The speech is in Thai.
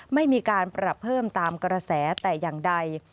ไม่มีการปรับเพิ่มตามกระแสแต่อย่างใด